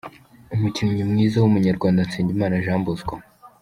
Umukinnyi mwiza w’umunyarwanda: Nsengimana Jean Bosco.